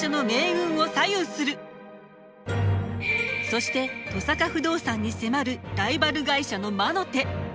そして登坂不動産に迫るライバル会社の魔の手。